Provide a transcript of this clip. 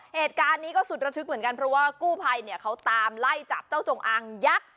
เหตุการณ์นี้ก็สุดระทึกเหมือนกันเพราะว่ากู้ภัยเนี่ยเขาตามไล่จับเจ้าจงอางยักษ์